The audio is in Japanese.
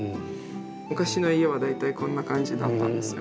昔の家は大体こんな感じだったんですよ。